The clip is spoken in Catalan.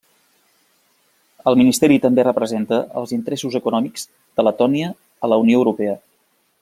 El ministeri també representa els interessos econòmics de Letònia a la Unió Europea.